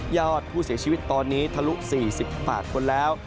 อดผู้เสียชีวิตตอนนี้ทะลุ๔๘คนแล้ว